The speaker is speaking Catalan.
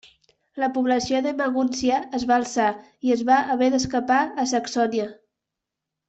La població de Magúncia es va alçar, i es va haver d'escapar a Saxònia.